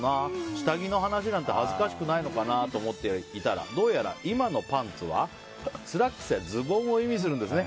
下着の話なんて恥ずかしくないのかななんて思っていたらどうやら今のパンツはスラックスやズボンを意味するんですね。